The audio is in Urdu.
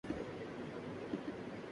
میرے شاہِ سلیماں جاہ سے نسبت نہیں‘ غالبؔ!